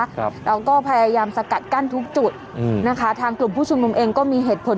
ครับเราก็พยายามสกัดกั้นทุกจุดอืมนะคะทางกลุ่มผู้ชุมนุมเองก็มีเหตุผล